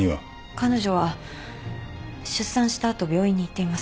彼女は出産した後病院に行っていません。